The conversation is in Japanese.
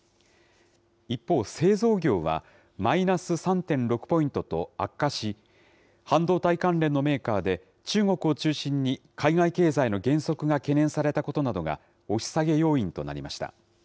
一方、製造業はマイナス３．６ポイントと悪化し、半導体関連のメーカーで、中国を中心に海外経済の減速が懸念されたことなどが押し下げ要因となりました。